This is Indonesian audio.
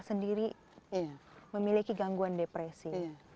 sendiri memiliki gangguan depresi